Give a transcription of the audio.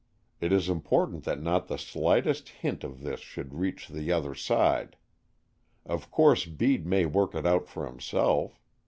It is important that not the slightest hint of this should reach the other side. Of course Bede may work it out for himself.